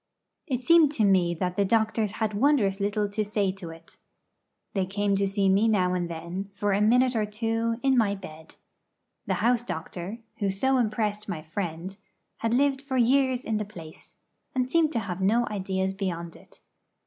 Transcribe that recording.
It seemed to me that the doctors had wondrous little to say to it. They came to see me now and then, for a minute or two, in my bed. The house doctor, who so impressed my friend, had lived for years in the place, and seemed to have no ideas beyond it.